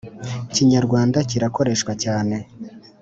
Kinyarwanda kirakoreshwa cyane